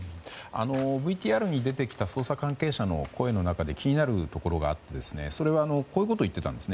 ＶＴＲに出てきた捜査関係者の声の中で気になるところがあってこういうことを言ってたんです。